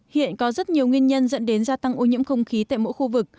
hiện có rất nhiều nguyên nhân dẫn đến gia tăng ô nhiễm không khí tại mỗi khu vực